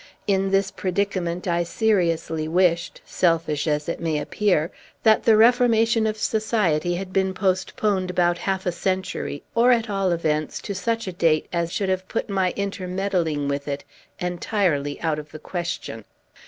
In this predicament, I seriously wished selfish as it may appear that the reformation of society had been postponed about half a century, or, at all events, to such a date as should have put my intermeddling with it entirely out of the question.